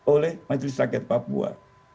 oleh majelis rakyat papua